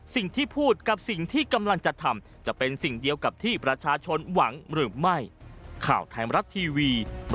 สิ่งที่พูดกับสิ่งที่กำลังจะทำจะเป็นสิ่งเดียวกับที่ประชาชนหวังหรือไม่